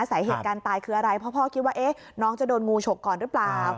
สาเหตุการณ์ตายคืออะไรเพราะพ่อคิดว่าน้องจะโดนงูฉกก่อนหรือเปล่า